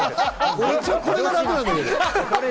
俺、一番これが楽なんだけど。